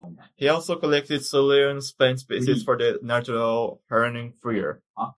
He also collected Slovene plant species for the naturalist Heinrich Freyer.